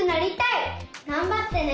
がんばってね！